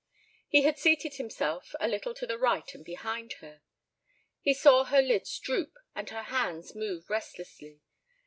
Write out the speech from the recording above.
He had seated himself a little to the right and behind her. He saw her lids droop and her hands move restlessly.